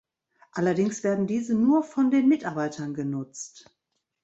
Allerdings werden diese nur von den Mitarbeitern genutzt.